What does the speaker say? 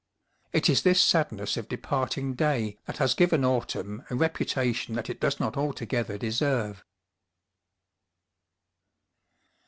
It is this sadness of departing day that has given autumn a re putation that it does not altogether deserve.